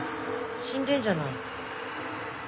死んでんじゃない。